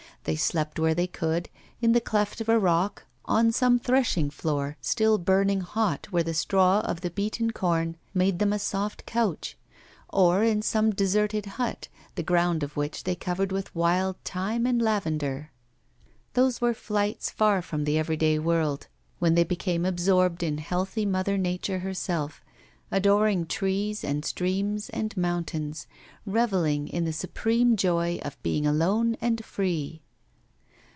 They slept where they could, in the cleft of a rock, on some threshing floor, still burning hot, where the straw of the beaten corn made them a soft couch, or in some deserted hut, the ground of which they covered with wild thyme and lavender. Those were flights far from the everyday world, when they became absorbed in healthy mother Nature herself, adoring trees and streams and mountains; revelling in the supreme joy of being alone and free.